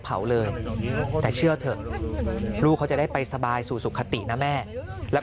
เผาเลยแต่เชื่อเถอะลูกเขาจะได้ไปสบายสู่สุขตินะแม่แล้ว